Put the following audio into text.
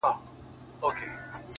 و ماته عجيبه دي توري د ـ